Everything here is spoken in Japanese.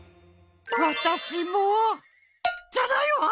わたしもじゃないわ！